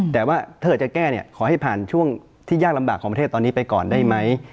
แต่ว่าถ้าเกิดจะแก้เนี่ยขอให้ผ่านช่วงที่ยากลำบากของประเทศตอนนี้ไปก่อนได้ไหม